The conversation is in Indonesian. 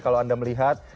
kalau anda melihat